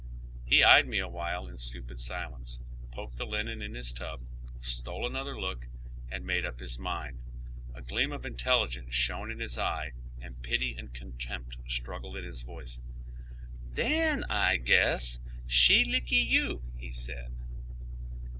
He eyed me a while in stupid silence, poked the linen in his tub, stole another look, and made up his mind. A gleam of intelligence shone in his eye, and pity and contempt struggled in his voice. " Then, I guess, she lickee you," he said.